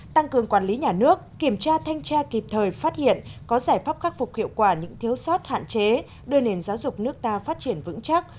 tăng cường quản lý nhà nước kiểm tra thanh tra kịp thời phát hiện có giải pháp khắc phục hiệu quả những thiếu sót hạn chế đưa nền giáo dục nước ta phát triển vững chắc